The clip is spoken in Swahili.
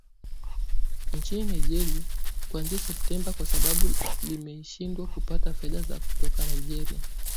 nchini Nigeria kuanzia Septemba kwa sababu limeshindwa kupata fedha zake kutoka Nigeria